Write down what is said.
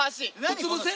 うつぶせ？